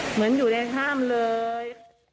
เหมือนอยู่ในถ้ำเลย